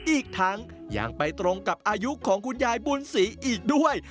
อีกทั้งยังไปตรงกับอายุของคุณยายบุญศรีอีกด้วย